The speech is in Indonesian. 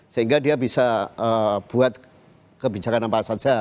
sehingga dia bisa buat kebijakan apa saja